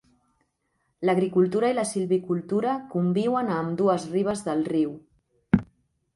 L'agricultura i la silvicultura conviuen a ambdues ribes del riu.